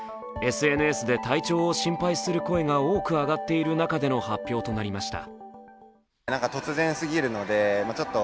ＳＮＳで体調を心配する声が多く上がっている中での発表となりました。